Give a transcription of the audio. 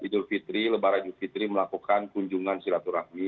kita di bulan idul fitri lebarajuh fitri melakukan kunjungan siratu rahmi